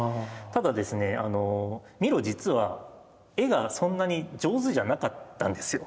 ただですねミロ実は絵がそんなに上手じゃなかったんですよ。